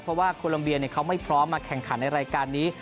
เพราะว่าโคลัมเบียเขาไม่พร้อมมาแข่งขันในรายการนี้